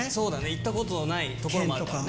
行ったことのない所もあるから。